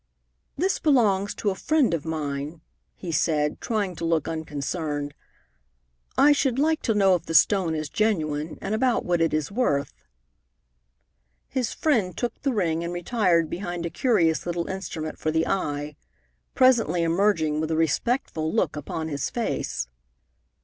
"This belongs to a friend of mine," he said, trying to look unconcerned. "I should like to know if the stone is genuine, and about what it is worth." His friend took the ring and retired behind a curious little instrument for the eye, presently emerging with a respectful look upon his face.